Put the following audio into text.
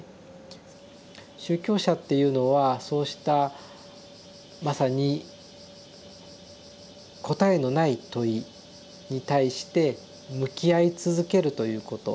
宗教者っていうのはそうしたまさに答えのない問いに対して向き合い続けるということ。